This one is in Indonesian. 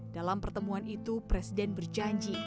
dalam pertemuan itu presiden berjanji